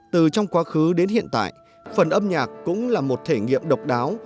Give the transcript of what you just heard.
từ trong quá khứ đến hiện tại phần âm nhạc cũng là một thể nghiệm độc đáo